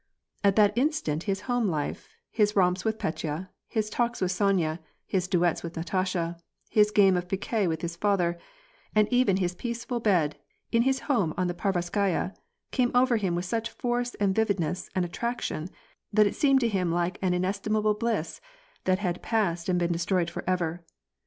At that instant his home life, his romps with Petya, his talks with Sonya, his duets with Natasha, his game of piquet with his father, and even his peaceful bed in his home on the Pavarskaya, eame over him with such force and vividness and attraction, that it seemed to him like an inestimable bliss, that had passed and been destroyed forever.